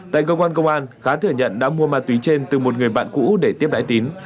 tại cơ quan công an khá thừa nhận đã mua ma túy trên từ một người bạn cũ để tiếp đại tín